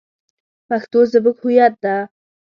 پښتو زمونږ هویت ده